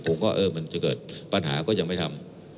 ผมก็เออมันจะเกิดปัญหาก็ยังไม่ทำ